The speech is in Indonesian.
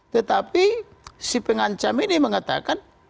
tetapi si pengancam ini mengatakan